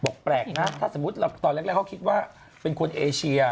แปลกนะถ้าสมมุติเราตอนแรกเขาคิดว่าเป็นคนเอเชีย